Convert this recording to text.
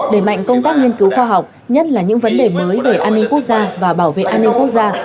đẩy mạnh công tác nghiên cứu khoa học nhất là những vấn đề mới về an ninh quốc gia và bảo vệ an ninh quốc gia